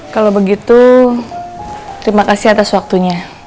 kalau begitu terima kasih atas waktunya